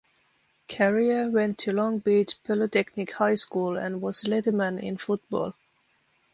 Carrier went to Long Beach Polytechnic High School and was a letterman in football.